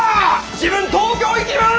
自分東京行きます！